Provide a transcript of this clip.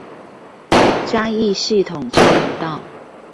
嘉義系統交流道